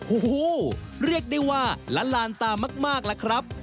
โอ้โหเรียกได้ว่าละลานตามากล่ะครับ